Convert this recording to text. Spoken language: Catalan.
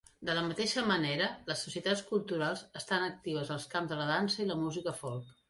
De la mateixa manera, les societats culturals estan actives als camps de la dansa i la música folk.